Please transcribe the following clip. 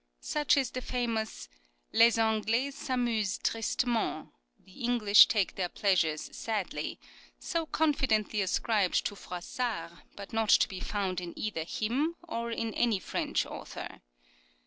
Such is the famous " Les Anglais s'amusent tristement "(" The English take their pleasures sadly "), so confidently ascribed to Froissart but not to be found in either him or in any French author.